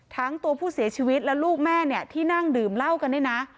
ทั้งตัวผู้เสียชีวิตและลูกแม่เนี่ยที่นั่งดื่มเหล้ากันเนี่ยนะ